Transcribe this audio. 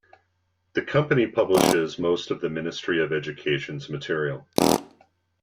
The company publishes most of the Ministry of Education's material.